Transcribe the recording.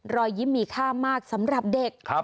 รอยยิ้มมีค่ามากสำหรับเด็ก